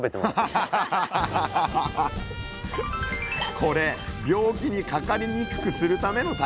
これ病気にかかりにくくするための対策。